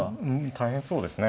大変そうですね。